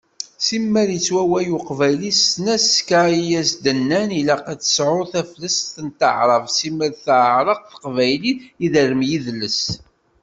Simmal yettwaway uqbayli s tesnakta i as-d-yennan ilaq ad tesɛuḍ taflest s teɛrabt, simmal tɛerreq teqbaylit, iderrem yidles.